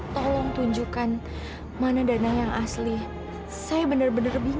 tolong keluarkan aku dari sini